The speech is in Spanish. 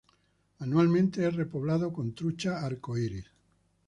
Anualmente es repoblado con trucha arcoíris.